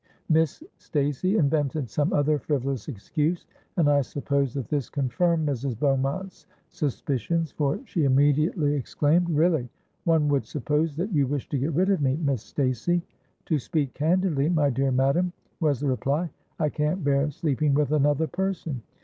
Miss Stacey invented some other frivolous excuse, and I suppose that this confirmed Mrs. Beaumont's suspicions; for she immediately exclaimed, 'Really, one would suppose that you wished to get rid of me, Miss Stacey!'—'To speak candidly, my dear madam,' was the reply, 'I can't bear sleeping with another person.'